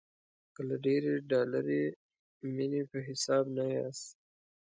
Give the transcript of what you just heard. که له ډېرې ډالري مینې په حساب نه یاست.